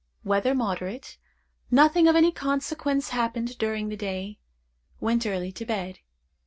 Weather moderate. Nothing of any consequence happened during the day. Went early to bed.